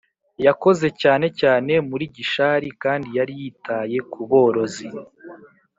Yakoze cyane cyane muri Gishari kandi yari yitaye ku borozi